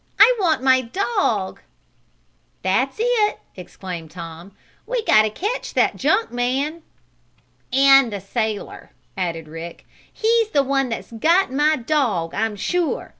"I want my dog!" "That's it!" exclaimed Tom. "We got to catch that junk man!" "And the sailor," added Rick, "he's the one that's got my dog, I'm sure.